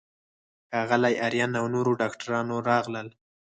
ښاغلی آرین او نورو ډاکټرانو راغلل.